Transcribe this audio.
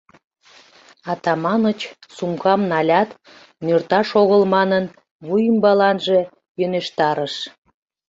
Атаманыч, сумкам налят, нӧрташ огыл манын, вуй ӱмбаланже йӧнештарыш.